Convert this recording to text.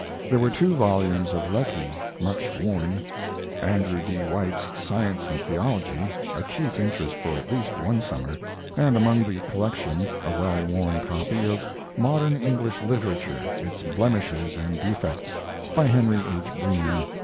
There were two volumes of Lecky, much worn; Andrew D. White's 'Science and Theology' a chief interest for at least one summer and among the collection a well worn copy of 'Modern English Literature Its Blemishes and Defects', by Henry H. Breen.